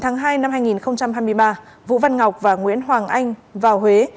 vào ngày một mươi tháng hai năm hai nghìn hai mươi ba vũ văn ngọc và nguyễn hoàng anh vào huế